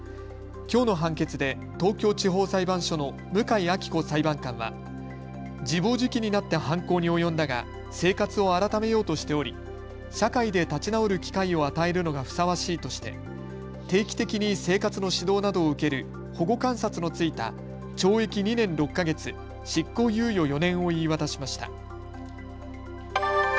きょうの判決で東京地方裁判所の向井亜紀子裁判官は自暴自棄になって犯行に及んだが生活を改めようとしており社会で立ち直る機会を与えるのがふさわしいとして定期的に生活の指導などを受ける保護観察の付いた懲役２年６か月、執行猶予４年を言い渡しました。